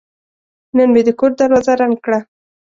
نن مې د کور دروازه رنګ کړه.